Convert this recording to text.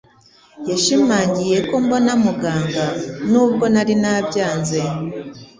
Yashimangiye ko mbona muganga nubwo nari nabyanze.